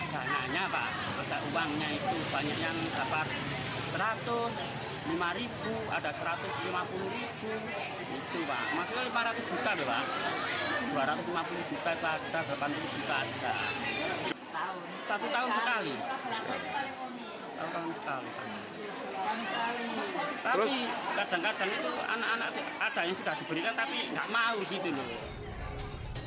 tapi kadang kadang itu ada yang bisa diberikan tapi gak mau gitu loh